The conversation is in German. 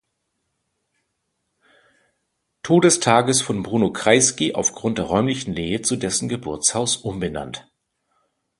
Todestages von Bruno Kreisky aufgrund der räumlichen Nähe zu dessen Geburtshaus umbenannt.